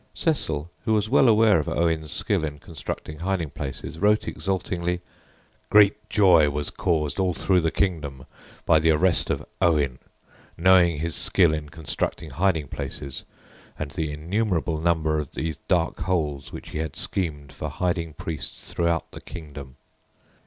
Cecil, who was well aware of Owen's skill in constructing hiding places, wrote exultingly: "Great joy was caused all through the kingdom by the arrest of Owen, knowing his skill in constructing hiding places, and the innumerable number of these dark holes which he had schemed for hiding priests throughout the kingdom."